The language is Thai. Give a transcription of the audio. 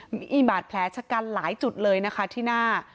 มีบาดแผลชะกันหลายจุดเลยนะคะที่หน้า